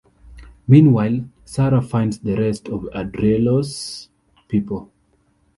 Meanwhile, Sarah finds the rest of Adrielo's people.